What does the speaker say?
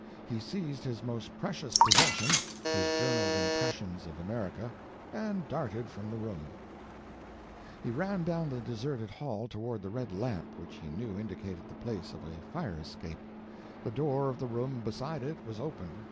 He seized his most precious possession; his journaled Impressions of America, and darted from the room. p074.jpg (34K) He ran down the deserted hall toward the red lamp which he knew indicated the place of a fire escape. The door of the room beside it was open.